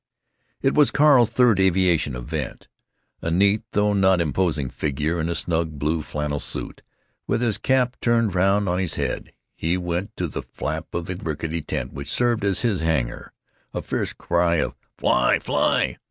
It was Carl's third aviation event. A neat, though not imposing figure, in a snug blue flannel suit, with his cap turned round on his head, he went to the flap of the rickety tent which served as his hangar. A fierce cry of "Fly! Fly!